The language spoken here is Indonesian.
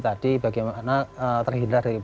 tadi bagaimana terhindari